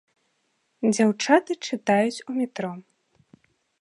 Дзяўчаты чытаюць у метро.